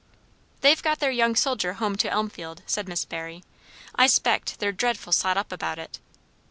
"They've got their young soldier home to Elmfield," said Miss Barry. "I s'pect they're dreadful sot up about it."